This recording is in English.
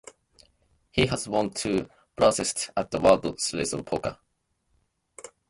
He has won two bracelets at the World Series of Poker.